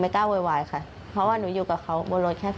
เธอเล่าหน่อยครับ